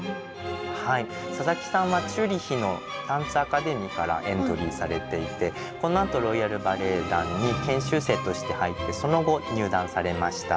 はい佐々木さんはチューリッヒのダンスアカデミーからエントリーされていてこのあとロイヤル・バレエ団に研修生として入ってその後入団されました。